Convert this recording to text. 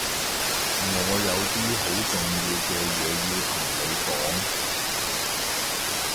我有啲好重要嘅嘢要同你講